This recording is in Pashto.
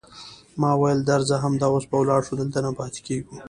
ما وویل: درځه، همدا اوس به ولاړ شو، دلته نه پاتېږو.